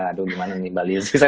aduh gimana nih mbak lizzy